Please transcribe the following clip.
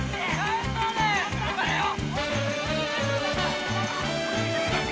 頑張れよ！